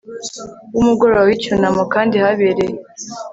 w umugoroba w icyunamo kandi habereye